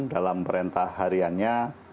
dalam perintah halilintar